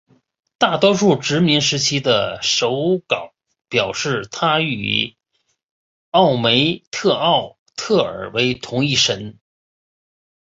大多数殖民时期的手稿表示她与奥梅特奥特尔为同一神。